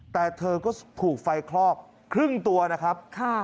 แต่เธอก็ถูกไฟคลอกครึ่งตัวนะครับ